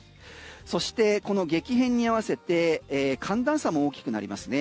そしてこの激変に合わせて寒暖差も大きくなりますね。